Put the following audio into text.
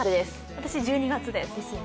私は１２月です。